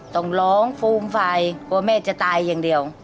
ต้องร้องฟูมไฟกลัวแม่จะตายอย่างเดียว